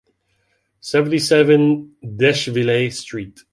Seventy-seven d'Eschviller" Street.